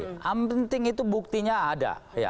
yang penting itu buktinya ada